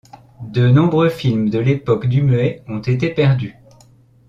De nombreux films de l'époque du muet ont été perdus.